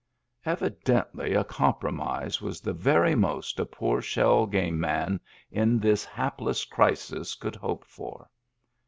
Evidently a compromise was the very most a poor shell game man in this hapless crisis could hope for.